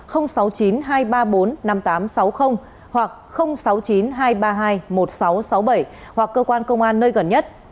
sáu mươi chín hai trăm ba mươi bốn năm nghìn tám trăm sáu mươi hoặc sáu mươi chín hai trăm ba mươi hai một nghìn sáu trăm sáu mươi bảy hoặc cơ quan công an nơi gần nhất